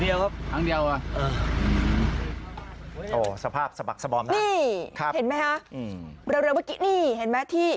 เรียกว่าวันนี้